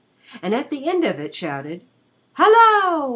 And at the end of it shouted, "Hallo!